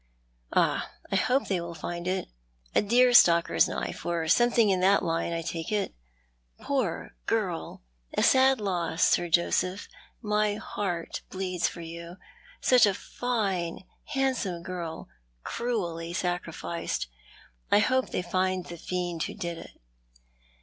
"Ah, I hope they will find it. A deer stalker's knife, or something in that line, I take it. Poor girl ! A sad loss, Sir " What do yotc knoiu about this f " 1 19 Joseph. My heart bleeds for you. Such a fine, handsoine girl — cruelly sacrificed. I hope they'll fiud the tiend who did it."